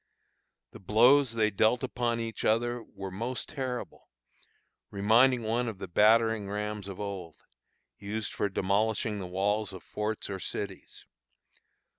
The blows they dealt upon each other were most terrible, reminding one of the battering rams of old, used for demolishing the walls of forts or cities.